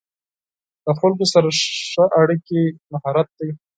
له خلکو سره ښه اړیکې مهارت دی.